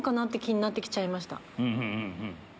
って気になって来ちゃいました。